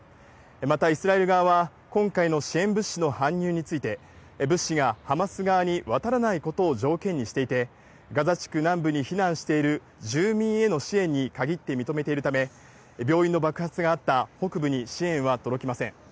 またイスラエル側は今回の支援物資の搬入について、物資がハマス側に渡らないことを条件にしていて、ガザ地区南部に避難している住民への支援に限って認めているため、病院の爆発があった北部に支援は届きません。